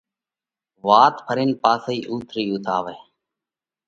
وات ڦرينَ وۯي پاسئي اُوٿ رئِي اُوٿ آوئه۔